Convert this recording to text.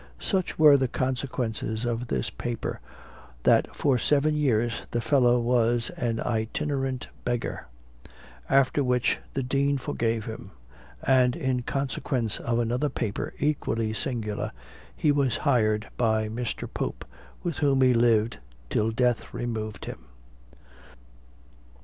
Such were the consequences of this paper, that for seven years the fellow was an itinerant beggar; after which the dean forgave him; and in consequence of another paper equally singular, he was hired by Mr. Pope, with whom he lived till death removed him.